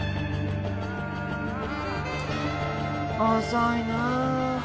遅いなあ。